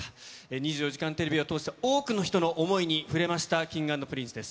２４時間テレビを通して、多くの人の想いに触れました、Ｋｉｎｇ＆Ｐｒｉｎｃｅです。